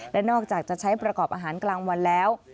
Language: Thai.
และนอกจากจะใช้ประกอบอาหารกลางวันแล้ว